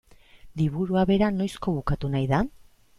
Liburua bera noizko bukatu nahi da?